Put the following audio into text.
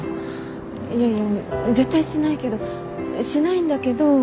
いやいや絶対しないけどしないんだけど。